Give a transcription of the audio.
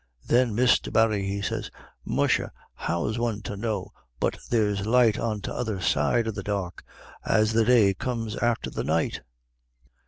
Thin Misther Barry, he sez: "Musha, how's wan to know but there's light On t'other side o' the dark, as the day comes afther the night?"